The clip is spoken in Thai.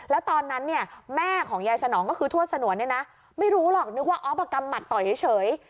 แล้วตอนนั้นเนี่ยแม่ของยายสนองก็คือทวดสนวนเนี่ยนะไม่รู้หรอกนึกว่าออฟกำหมัดต่อยเฉย